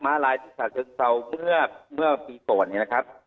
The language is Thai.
้าลายที่ฉะเชิงเซาเมื่อปีก่อนเนี่ยนะครับ